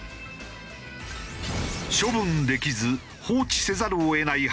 処分できず放置せざるを得ない廃工場。